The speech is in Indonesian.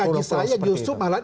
bagi saya justru